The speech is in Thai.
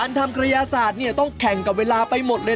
ทำกระยาศาสตร์เนี่ยต้องแข่งกับเวลาไปหมดเลย